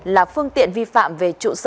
là phương tiện vi phạm về trụ sở